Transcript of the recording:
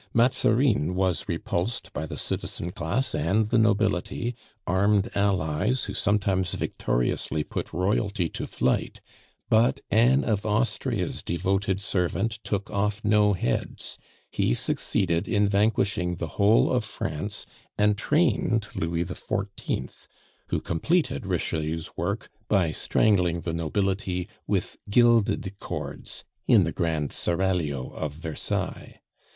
Mazarin was repulsed by the citizen class and the nobility, armed allies who sometimes victoriously put royalty to flight; but Anne of Austria's devoted servant took off no heads, he succeeded in vanquishing the whole of France, and trained Louis XIV., who completed Richelieu's work by strangling the nobility with gilded cords in the grand Seraglio of Versailles.